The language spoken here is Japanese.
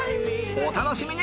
お楽しみに！